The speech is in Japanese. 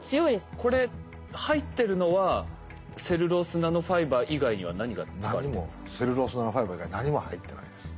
これ入ってるのはセルロースナノファイバー以外には何が使われているんですか？